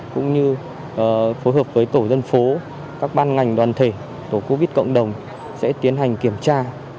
cũng như phối hợp với tổ dân phố các ban ngành đoàn thể tổ covid cộng đồng sẽ tiến hành kiểm tra